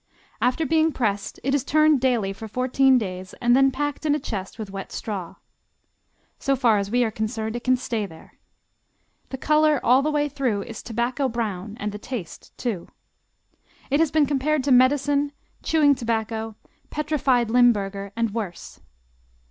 After being pressed it is turned daily for fourteen days and then packed in a chest with wet straw. So far as we are concerned it can stay there. The color all the way through is tobacco brown and the taste, too. It has been compared to medicine, chewing tobacco, petrified Limburger, and worse.